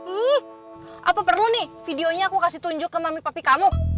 hmm apa perlu nih videonya aku kasih tunjuk ke mami papi kamu